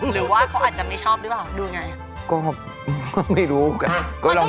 หรือว่าเขาอาจจะไม่ชอบหรือเปล่าดูไง